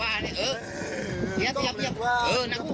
แม่มาช่วยดีกันแม่มาช่วยดีกัน